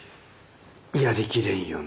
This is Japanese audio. やりきれんよなあ。